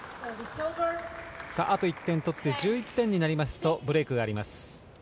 あと１点取って１１点になりますとブレークがあります。